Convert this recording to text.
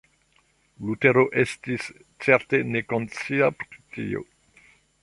Lutero estis certe ne konscia pri tio.